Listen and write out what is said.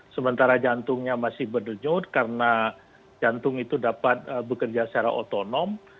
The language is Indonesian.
sementara jantungnya masih berdenyut karena jantung itu dapat bekerja secara otonom